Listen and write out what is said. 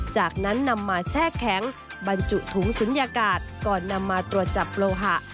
จากนั้นนำมาแช่แข็งบรรจุถุงศูนยากาศก่อนนำมาตรวจจับโลหะ